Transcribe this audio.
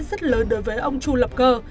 rất lớn đối với ông chu lập cơ